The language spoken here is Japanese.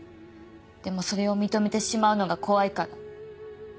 でもそれを認めてしまうのが怖いから。